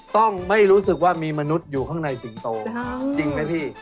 ต้องไม่รู้สึกว่ามีมนุษย์อยู่ข้างในสิงโตจริงไหมพี่